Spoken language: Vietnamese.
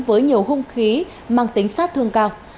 với nhiều hung khí mang tính sát thương cao